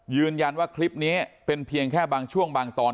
ยืนยันว่าคลิปนี้เป็นเพียงแค่บางช่วงบางตอน